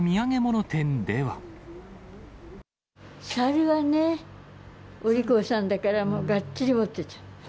猿はね、お利口さんだから、もうがっつり持っていっちゃう。